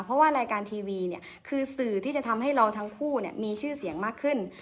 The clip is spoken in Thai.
เพราะว่ารายการทีวีเนี่ยคือสื่อที่จะทำให้เราทั้งคู่มีชื่อเสียงมากขึ้น